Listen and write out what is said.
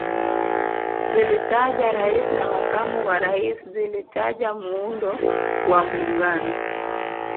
Zilitaja Rais na Makamu wa Rais zilitaja Muundo wa Muungano